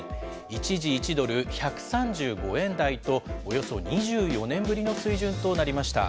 一時１ドル１３５円台と、およそ２４年ぶりの水準となりました。